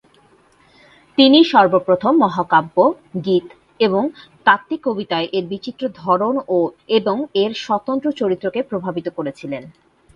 তিনিই সর্বপ্রথম মহাকাব্য, গীত, এবং তাত্ত্বিক কবিতায় এর বিচিত্র ধরন এবং এর স্বতন্ত্র চরিত্রকে প্রভাবিত করেছিলেন।